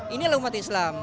inilah umat islam